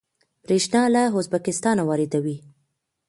بریښنا له ازبکستان واردوي